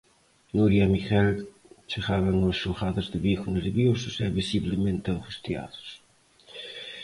Nuria e Miguel chegaban aos xulgados de Vigo nerviosos e visiblemente angustiados.